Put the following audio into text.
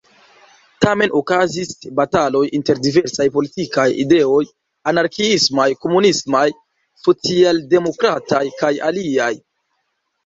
Tamen okazis bataloj inter diversaj politikaj ideoj, anarkiismaj, komunismaj, socialdemokrataj kaj aliaj.